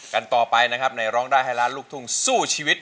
กันต่อไปนะครับในร้องได้ให้ล้านลูกทุ่งสู้ชีวิต